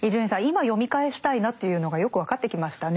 今読み返したいなというのがよく分かってきましたね。